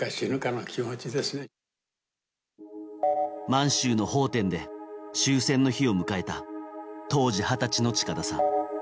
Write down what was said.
満州の奉天で終戦の日を迎えた当時二十歳の近田さん。